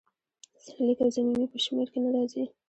سرلیک او ضمیمې په شمیر کې نه راځي.